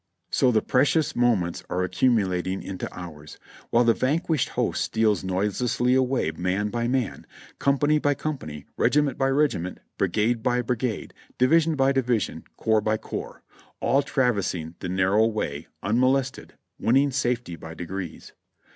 So the precious moments are accumulating into hours, while the vanquished host steals noiselessly away man by man, company by company, regiment by regiment, brigade by brigade, division by division, corps by corps, all traversing the narrow way unmo lested, winning safety by degrees.